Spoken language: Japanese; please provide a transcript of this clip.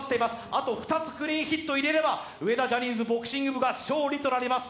あと２つクリーンヒットを奪えば上田ジャニーズボクシング部が勝利となります。